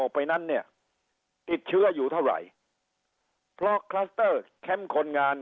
ออกไปนั่นเนี่ยติดเชื่ออยู่เท่าไรเพราะแคมป์คนงาน